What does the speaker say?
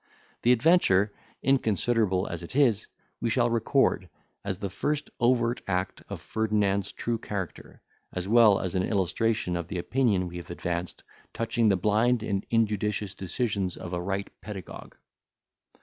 —The adventure, inconsiderable as it is, we shall record, as the first overt act of Ferdinand's true character, as well as an illustration of the opinion we have advanced touching the blind and injudicious decisions of a right pedagogue.